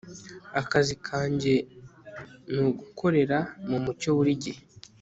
akazi kanjye ni ugukorera mu mucyo buri gihe